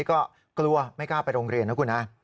ก็กลัวไม่กล้าไปโรงเรียนนะคุณฮะ